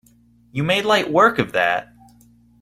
You made light work of that!